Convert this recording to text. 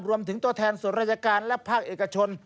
รวมถึงตัวแทนส่วนราชการและภาคเอกชน